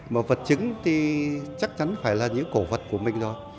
mà vật chứng thì chắc chắn phải là những cổ vật của mình đó